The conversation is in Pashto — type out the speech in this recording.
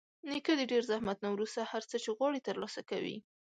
نیکه د ډېر زحمت نه وروسته هر څه چې غواړي ترلاسه کوي.